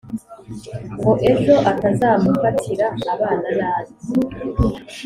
ngo ejo atazamufatira abana nabi.